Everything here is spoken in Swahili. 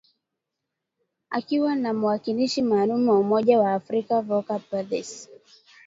akiwa na mwakilishi maalum wa umoja wa afrika Volker Perthes